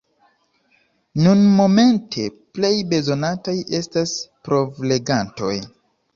Nunmomente plej bezonataj estas provlegantoj.